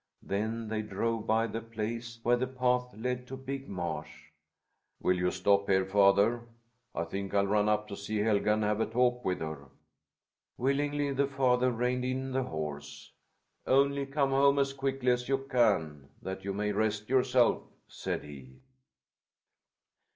Then they drove by the place where the path led to Big Marsh. "Will you stop here, father? I think I'll run up to see Helga and have a talk with her." Willingly the father reined in the horse. "Only come home as quickly as you can, that you may rest yourself," said he.